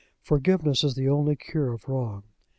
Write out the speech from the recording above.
Forgiveness is the only cure of wrong.